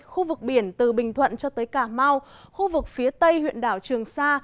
khu vực biển từ bình thuận cho tới cà mau khu vực phía tây huyện đảo trường sa